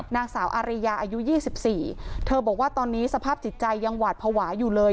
นางสาวอาริยาอายุ๒๔เธอบอกว่าตอนนี้สภาพจิตใจยังหวาดภาวะอยู่เลย